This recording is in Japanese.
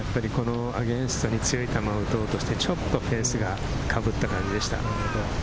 アゲンストで強い球を打とうとして、ちょっとフェースが、かぶったような感じでしたね。